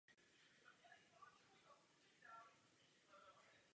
Konečně se rozhodl pro pomstu.